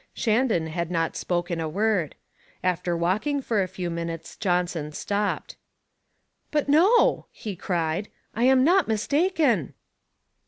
Shandon had not spoken a word. After walking for a few minutes, Johnson stopped. "But no," he cried, "I am not mistaken!"